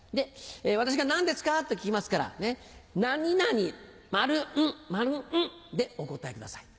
私が「何ですか？」と聞きますから「何々〇ん〇ん」でお答えください。